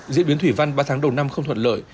diễn biến thủy văn ba tháng đầu năm không thuận lợi